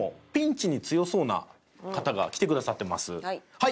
はい。